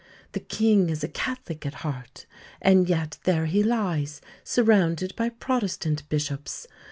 The King is a Catholic at heart, and yet there he lies surrounded by Protestant bishops.